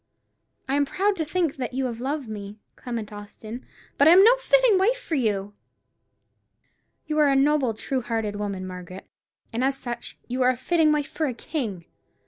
I am proud to think that you have loved me, Clement Austin; but I am no fitting wife for you!" "You are a noble, true hearted woman, Margaret; and as such you are a fitting wife for a king.